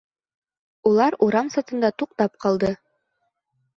Улар урам сатында туҡтап ҡалды.